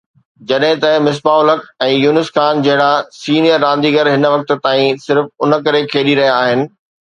جڏهن ته مصباح الحق ۽ يونس خان جهڙا سينيئر رانديگر هن وقت تائين صرف ان ڪري کيڏي رهيا آهن